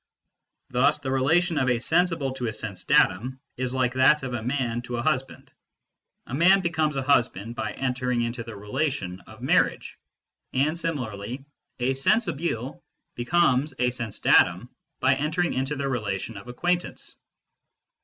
Thus the relation of a sensibile to a sense datum is like that of a man to a husband : a man becomes a husband by SENSE DATA AND PHYSICS 149 entering into the relation of marriage, and similarly a sensibile becomes a sense datum by entering into the relation of acquaintance.